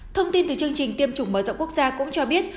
thông tin từ chương trình tiêm chủng mở rộng quốc gia cũng cho biết